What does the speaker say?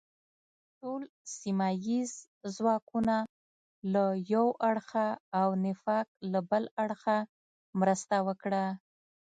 ټول سیمه ییز ځواکونه له یو اړخه او نفاق له بل اړخه مرسته وکړه.